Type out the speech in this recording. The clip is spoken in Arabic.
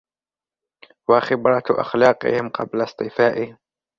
وَخِبْرَةُ أَخْلَاقِهِمْ قَبْلَ اصْطِفَائِهِمْ